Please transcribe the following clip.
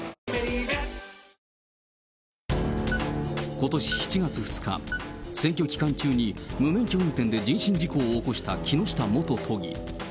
ことし７月２日、選挙期間中に無免許運転で人身事故を起こした木下元都議。